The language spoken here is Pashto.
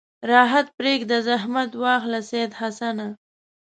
راحت پرېږده زحمت واخله سید حسنه.